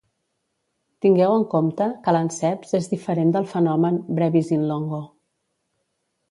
Tingueu en compte que l'anceps és diferent del fenomen "brevis in longo".